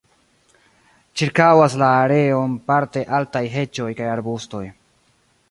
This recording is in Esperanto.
Ĉirkaŭas la areon parte altaj heĝoj kaj arbustoj.